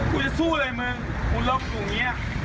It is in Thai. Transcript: กูจะสู้เลยมึงมึงลบอยู่นี้